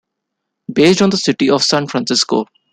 Based on the city of San Francisco.